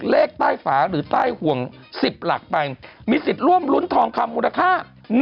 เลขใต้ฝาหรือใต้ห่วง๑๐หลักไปมีสิทธิ์ร่วมรุ้นทองคำมูลค่า